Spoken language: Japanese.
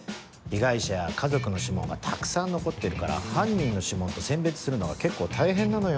被害者や家族の指紋がたくさん残ってるから犯人の指紋と選別するのが結構大変なのよ。